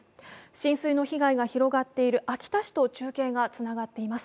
浸水の被害が広がっている秋田市と中継がつながっています。